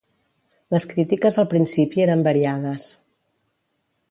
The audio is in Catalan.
Les crítiques al principi eren variades.